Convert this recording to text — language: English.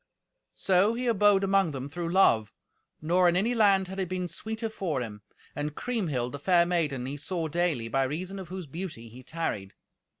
So he abode among them through love, nor in any land had it been sweeter for him. And Kriemhild, the fair maiden, he saw daily, by reason of whose beauty he tarried.